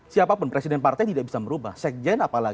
siapapun presiden partai tidak bisa merubah sekjen